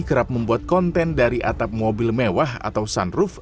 kerap membuat konten dari atap mobil mewah atau sunroof